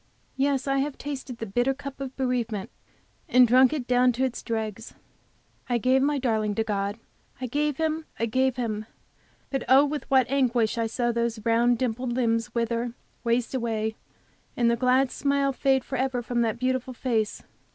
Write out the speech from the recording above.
Yes, I have tasted the bitter cup of bereavement, and drunk it down to its dregs. I gave my darling to God, I gave him, I gave him! But, oh, with what anguish I saw those round, dimpled limbs wither and waste away, the glad smile fade forever from that beautiful face!